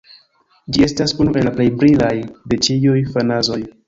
Ĝi estas unu el la plej brilaj de ĉiuj fazanoj.